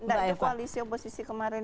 enggak itu koalisi oposisi kemarin